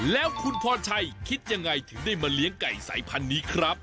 แล้วคุณพรชัยคิดยังไงถึงได้มาเลี้ยงไก่สายพันธุ์นี้ครับ